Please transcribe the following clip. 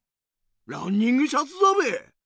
ランニングシャツだべ！